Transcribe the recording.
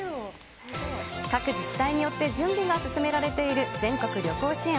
各自治体によって準備が進められている全国旅行支援。